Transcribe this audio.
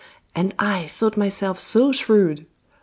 And I thought myself so shrewd!